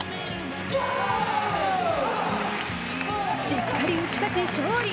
しっかり打ち勝ち、勝利。